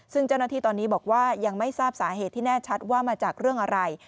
ซึ่งเจ้าหน้าที่ตอนนี้บอกว่ายังไม่ทราบสาเหตุที่แน่ชัดว่ามาจากเรื่องอะไร